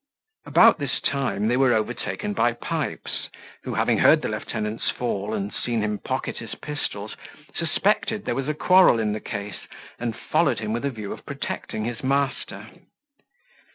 About this time, they were overtaken by Pipes, who, having heard the lieutenant's fall and seen him pocket his pistols, suspected there was a quarrel in the case, and followed him with a view of protecting his master.